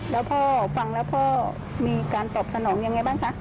แล้วพ่อฟังแล้วพ่อมีการตอบสนองยังไงบ้างคะ